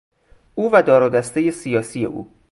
او و دارودستهی سیاسی او